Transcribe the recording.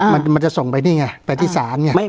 มันจะส่งไปนี่ไงแปดที่๓เนี่ย